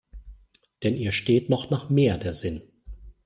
Denn ihr steht noch nach Mehr der Sinn.